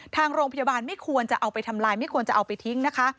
ทางโรงพยาบาลไม่ควรจะเอาไปทำลายไม่ควรจะเอาไปทิ้งนะคะ